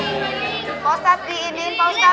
piringkah piringkah piringkah